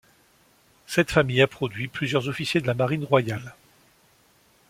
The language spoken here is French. Cette famille a produit plusieurs officiers de la Marine royale.